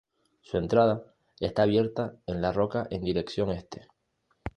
Su entrada está abierta en la roca, en dirección este.